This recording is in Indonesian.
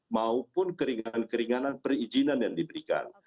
maupun keringan keringanan perizinan yang diberikan